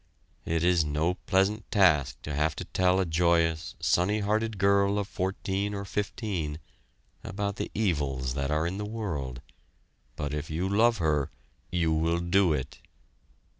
It is no pleasant task to have to tell a joyous, sunny hearted girl of fourteen or fifteen about the evils that are in the world, but if you love her, you will do it!